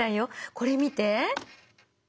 これ見て。